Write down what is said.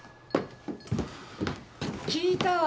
聞いたわ。